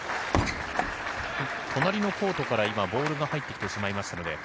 隣のコートからボールが入ってきてしまいました。